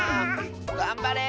がんばれ！